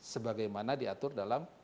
sebagai mana diatur dalam perjalanan